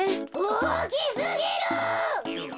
おおきすぎる！